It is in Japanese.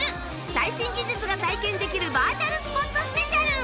最新技術が体験できるバーチャルスポットスペシャル